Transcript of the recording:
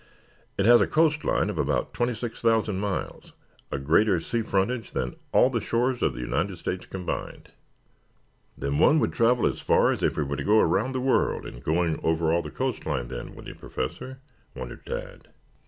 "It has a coast line of about twenty six thousand miles, a greater sea frontage than all the shores of the United States combined." "Why one would travel as far as if he were to go around the world in going over all the coast line, then, wouldn't he, Professor?" wondered Tad.